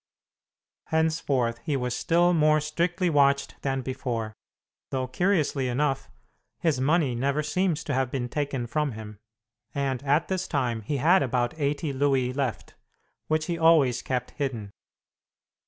Henceforth he was still more strictly watched than before, though, curiously enough, his money never seems to have been taken from him, and at this time he had about eighty louis left, which he always kept hidden.